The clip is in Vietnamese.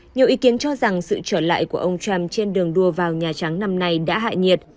nhiều ý kiến cho rằng sự trở lại của ông trump trên đường đua vào nhà trắng năm nay đã hạ nhiệt